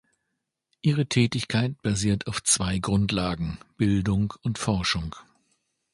Ihre Tätigkeit basiert auf zwei Grundlagen: Bildung und Forschung.